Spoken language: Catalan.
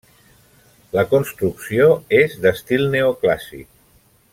La construcció és d'estil neoclàssic.